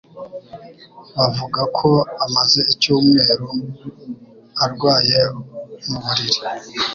Bavuga ko amaze icyumweru arwaye mu buriri.